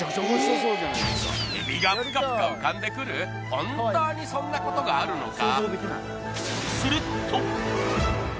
本当にそんなことがあるのか？